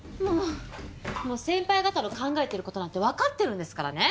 もう先輩方の考えてる事なんてわかってるんですからね。